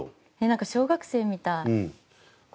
なんか小学生みたいこれ。